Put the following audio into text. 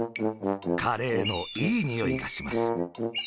カレーのいいにおいがします。